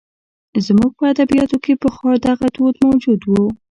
زموږ په ادبیاتو کې پخوا دغه دود موجود و.